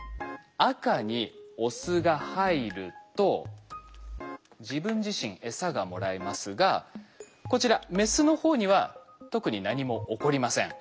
赤にオスが入ると自分自身エサがもらえますがこちらメスの方には特に何も起こりません。